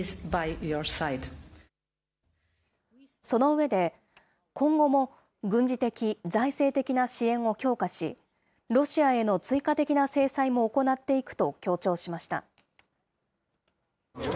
その上で、今後も軍事的・財政的な支援を強化し、ロシアへの追加的な制裁も行っていくと強調しました。